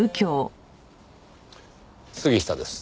杉下です。